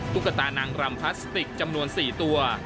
ตุ๊กตานางรำพลาสติกจำนวน๔ตัว